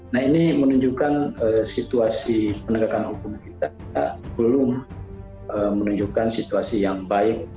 nah ini menunjukkan situasi penegakan hukum kita belum menunjukkan situasi yang baik